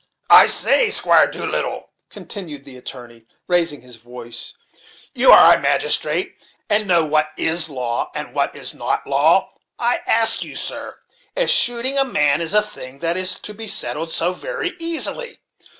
"I say, Squire Doolittle," continued the attorney, raising his voice, "you are a magistrate, and know what is law and what is not law. I ask you, sir, if shooting a man is a thing that is to be settled so very easily?